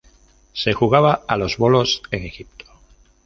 Se jugaba a los bolos en Egipto.